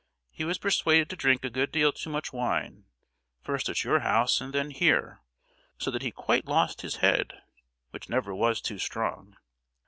He was persuaded to drink a good deal too much wine, first at your house, and then here; so that he quite lost his head, which never was too strong.